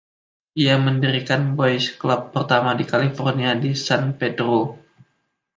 Ia mendirikan Boys Club pertama California di San Pedro.